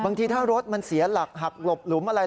บางทีถ้ารถมันเสียหลักหักหลบหลุมอะไร